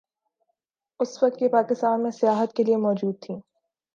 اس وقت یہ پاکستان میں سیاحت کے لیئے موجود تھیں۔